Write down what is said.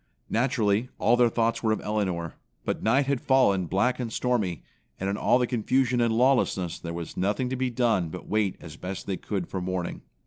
Naturally, all their thoughts were of Elinor, but night had fallen black and stormy, and in all the confusion and lawlessness there was nothing to be done but wait as best they could for morning.